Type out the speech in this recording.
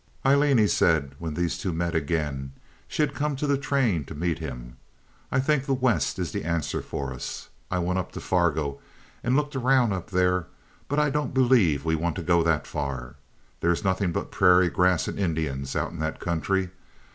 "Aileen," he said, when these two met again—she had come to the train to meet him—"I think the West is the answer for us. I went up to Fargo and looked around up there, but I don't believe we want to go that far. There's nothing but prairie grass and Indians out in that country.